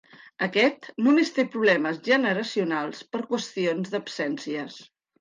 Aquest només té problemes generacionals per qüestions d'absències.